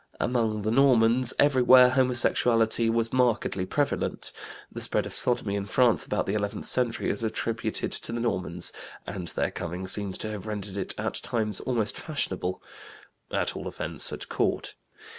Among the Normans, everywhere, homosexuality was markedly prevalent; the spread of sodomy in France about the eleventh century is attributed to the Normans, and their coming seems to have rendered it at times almost fashionable, at all events at court.